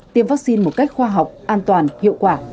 tiêm vaccine một cách khoa học an toàn hiệu quả